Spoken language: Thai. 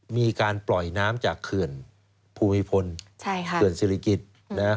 มีการปล่อยน้ำจากเกือร์ภูมิพลเกือร์ศิริกิจ